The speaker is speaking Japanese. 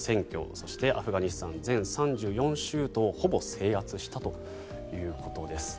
そしてアフガニスタンの全３４州都をほぼ制圧したということです。